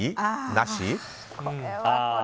なし？